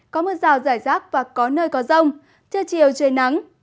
có mưa rào rải rác và có nơi có rông trưa chiều trời nắng